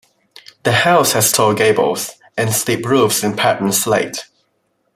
The house has tall gables, and steep roofs in patterned slate.